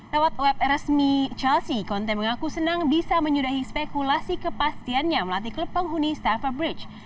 lewat web resmi chelsea conte mengaku senang bisa menyudahi spekulasi kepastiannya melatih klub penghuni staffer bridge